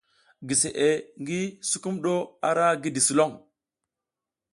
Giseʼe ngi sukumɗu ara gidi sulon.